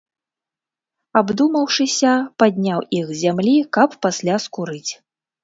Абдумаўшыся, падняў іх з зямлі, каб пасля скурыць.